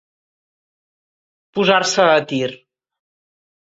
Posar-se a tir.